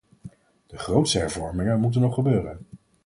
De grootste hervormingen moeten nog gebeuren.